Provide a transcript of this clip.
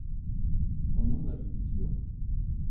Onunla ilgisi yok.